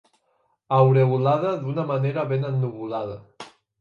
Aureolada d'una manera ben ennuvolada.